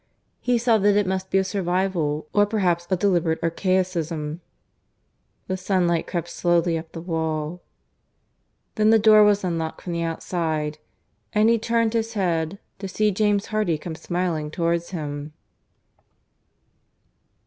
He saw that it must be a survival, or perhaps a deliberate archaicism. ... The sunlight crept slowly up the wall. ... Then the door was unlocked from the outside, and he turned his head, to see James Hardy come smiling towards him.